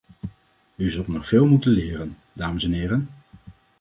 U zult nog veel moeten leren, dames en heren!